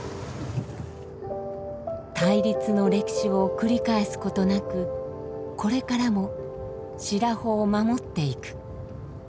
対立の歴史を繰り返すことなくこれからも白保を守っていく。